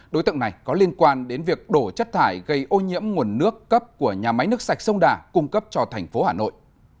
đối tượng này có liên quan đến việc đổ chất thải gây ô nhiễm nguồn nước cấp của nhà máy nước sạch sông đà cung cấp cho thành phố hà nội